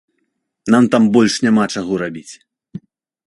Нам там больш няма чаго рабіць.